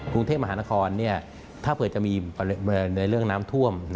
กรุงเทพมหานครถ้าเผื่อจะมีในเรื่องน้ำท่วม